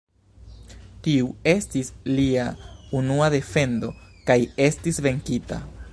Tiu estis lia unua defendo kaj estis venkita.